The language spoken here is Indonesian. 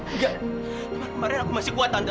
enggak kemarin aku masih kuat tante